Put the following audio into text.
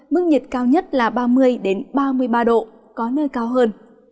mức nhiệt cao nhất là ba mươi ba mươi ba độ có nơi cao hơn